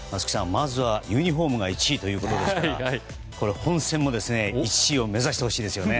まずはユニホームが１位ということですからこれは本戦も１位を目指してほしいですね。